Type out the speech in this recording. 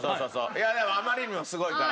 いやあまりにもすごいから。